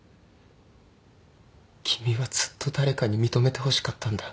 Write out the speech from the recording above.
君はずっと誰かに認めてほしかったんだ。